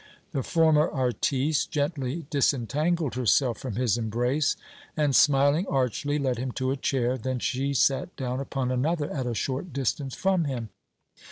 The former artiste gently disentangled herself from his embrace and, smiling archly, led him to a chair; then she sat down upon another at a short distance from him.